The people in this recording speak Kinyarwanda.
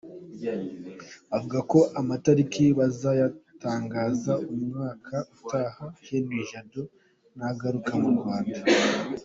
Bavuga ko amatariki bazayatangaza umwaka utaha, Henri Jado nagaruka mu Rwanda.